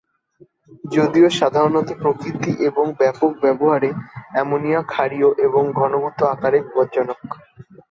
যদিও সাধারণত প্রকৃতি এবং ব্যাপক ব্যবহারে, অ্যামোনিয়া ক্ষারীয় এবং ঘনীভূত আকারে বিপজ্জনক।